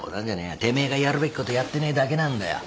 てめえがやるべきことやってねえだけなんだよ。